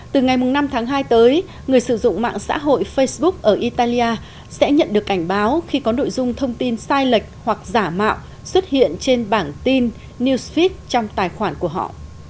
từ ngày năm tháng hai tới người sử dụng mạng xã hội facebook ở italia sẽ nhận được cảnh báo khi có nội dung thông tin sai lệch hoặc giả mạo xuất hiện trên bảng tin news trong tài khoản của họ